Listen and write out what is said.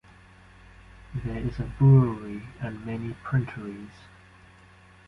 There is a brewery and many printeries.